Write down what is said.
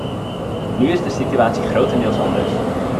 Nu is de situatie grotendeels anders.